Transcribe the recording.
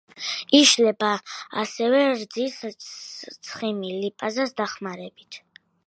იშლება ასევე რძის ცხიმი ლიპაზას დახმარებით.